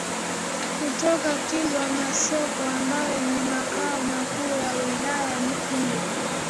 kutoka Kilwa Masoko ambayo ni makao makuu ya wilaya hiyo